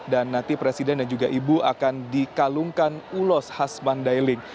dan nanti presiden dan juga ibu akan dikalungkan ulos khas mandailing